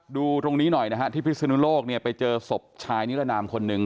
ดูตรงนี้หน่อยนะฮะที่พิศนุโลกเนี่ยไปเจอศพชายนิรนามคนหนึ่ง